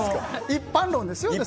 一般論ですよ。